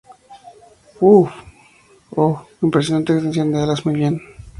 ¡ Uau! Oh, impresionante extensión de alas. ¡ muy bien!